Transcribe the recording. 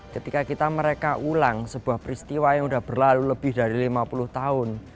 ketika kita mereka ulang sebuah peristiwa yang sudah berlalu lebih dari lima puluh tahun